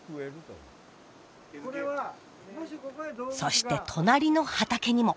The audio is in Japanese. そして隣の畑にも。